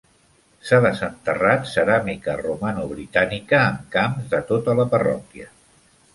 S'ha desenterrat ceràmica romano-britànica en camps de tota la parròquia.